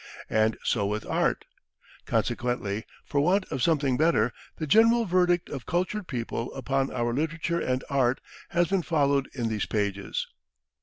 And so with art. Consequently, for want of something better, the general verdict of cultured people upon our literature and art has been followed in these pages.